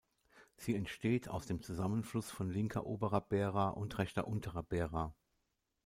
Sie entsteht aus dem Zusammenfluss von linker Oberer Bära und rechter Unterer Bära.